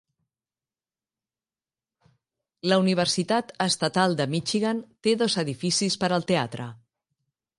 La Universitat Estatal de Michigan té dos edificis per al teatre.